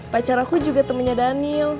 pacar aku juga temannya daniel